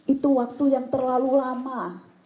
itu waktu yang terlalu lama